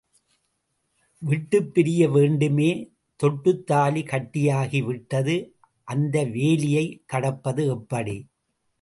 விட்டுப்பிரிய வேண்டுமே தொட்டுத் தாலி கட்டியாகி விட்டது அந்த வேலியைக் கடப்பது எப்படி?